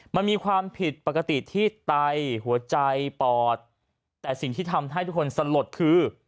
มันมีความผิดปกติที่ไตหัวใจปอดแต่สิ่งที่ทำให้ทุกคนสลดคือ